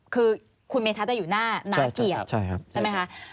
คือคุณเมธัศนอยู่หน้าหนาเกียรติใช่ไหมคะ